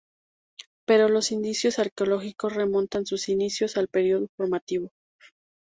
Pero los indicios arqueológicos remontan sus inicios al período formativo.